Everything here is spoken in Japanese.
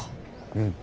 うん。